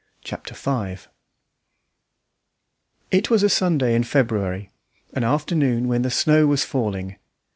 Chapter Five It was a Sunday in February, an afternoon when the snow was falling.